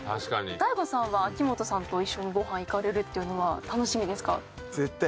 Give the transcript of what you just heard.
ＤＡＩＧＯさんは秋元さんと一緒にご飯行かれるっていうのは楽しみですか？